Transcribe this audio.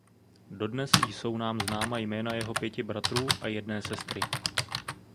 Dodnes jsou nám známa jména jeho pěti bratrů a jedné sestry.